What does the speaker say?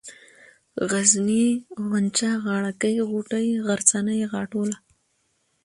غرنۍ ، غونچه ، غاړه كۍ ، غوټۍ ، غرڅنۍ ، غاټوله